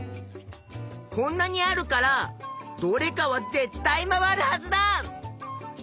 こんなにあるからどれかはぜったい回るはずだ！